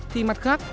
thì mặt khác